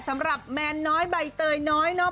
สำหรับแมนน้อยใบเตยน้อยเนาะ